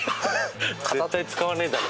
絶対使わねえだろ。